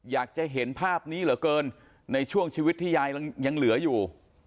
อยากจะเห็นภาพนี้เหลือเกินในช่วงชีวิตที่ยายยังเหลืออยู่